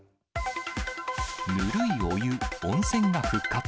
ぬるいお湯、温泉が復活。